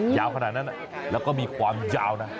ยาวขนาดนั้นแล้วก็มีความยาวนะ